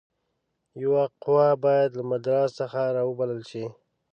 یوه قوه باید له مدراس څخه را وبلل شي.